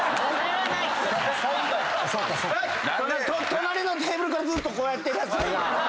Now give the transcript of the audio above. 隣のテーブルからずっとこうやってるやつにな。